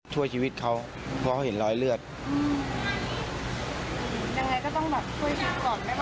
ช่วยชีวิตเขาเพราะเขาเห็นรอยเลือดอืมยังไงก็ต้องแบบช่วยหน้าก่อนนะคะ